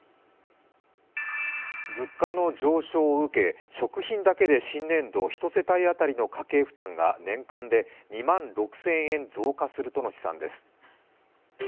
物価の上昇を受け、食品だけで新年度、１世帯当たりの家計負担が年間で２万６０００円増加するとの試算です。